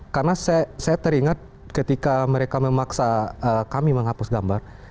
karena saya teringat ketika mereka memaksa kami menghapus gambar